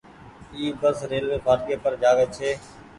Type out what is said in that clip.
اي بس ريلوي ڦآٽڪي پر جآوي ڇي۔